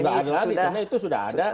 karena itu sudah ada